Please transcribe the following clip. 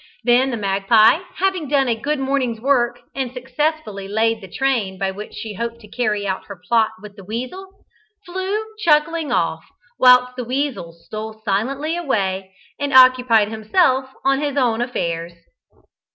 Then the magpie, having done a good morning's work, and successfully laid the train by which she hoped to carry out her plot with the weasel, flew chuckling off, whilst the weasel stole silently away, and occupied himself on his own affairs.